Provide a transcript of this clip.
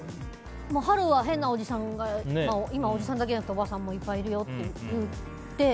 春は変なおじさんがおじさんだけじゃなくておばさんもいっぱいるよっていって。